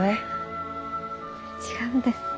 違うんです。